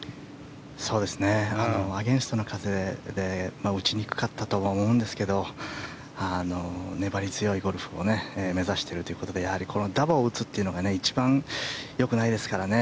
アゲンストの風で打ちにくかったとは思うんですが粘り強いゴルフを目指しているということでダボを打つというのが一番よくないですからね。